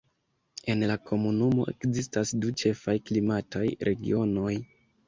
En la komunumo ekzistas du ĉefaj klimataj regionoj.